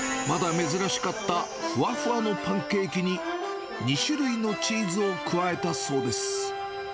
まだ珍しかったふわふわのパンケーキに、２種類のチーズを加えたそうです。